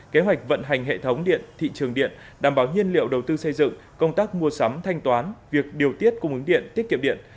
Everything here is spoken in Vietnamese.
kế hoạch vận hành hệ thống điện thị trường điện đảm bảo nhiên liệu đầu tư xây dựng công tác mua sắm thanh toán việc điều tiết cung ứng điện tiết kiệm điện